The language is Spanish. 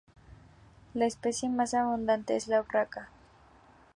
La especie más abundante es la urraca.